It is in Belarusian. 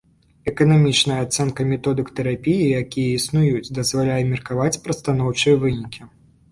Эканамічная ацэнка методык тэрапіі, якія існуюць, дазваляе меркаваць пра станоўчыя вынікі.